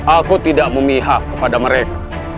aku tidak memihak kepada mereka